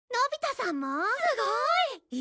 すごーい！